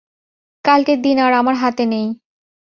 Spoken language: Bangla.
কালকের দিন আর আমার হাতে নেই।